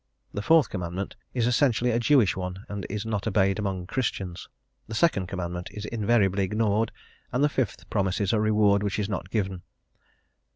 The Fourth Commandment is essentially a Jewish one, and is not obeyed among Christians. The Second Commandment is invariably ignored, and the Fifth promises a reward which is not given.